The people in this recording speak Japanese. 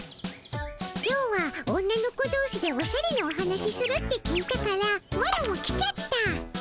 今日は女の子どうしでおしゃれのお話するって聞いたからマロも来ちゃった。